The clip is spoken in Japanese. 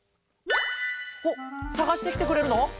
おっさがしてきてくれるの？